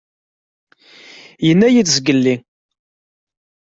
Yenna-yid zgelli.